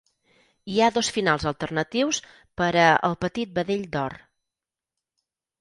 Hi ha dos finals alternatius per a "El petit vedell d'or".